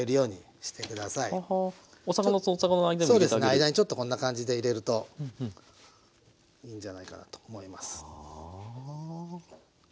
間にちょっとこんな感じで入れるといいんじゃないかなと思います。